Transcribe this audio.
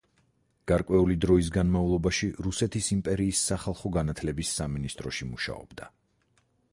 გარკვეული დროის განმავლობაში რუსეთის იმპერიის სახალხო განათლების სამინისტროში მუშაობდა.